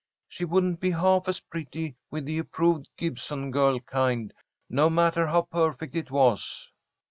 She wouldn't be half as pretty with the approved Gibson girl kind, no matter how perfect it was."